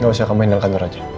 gak usah kamu handle kantor aja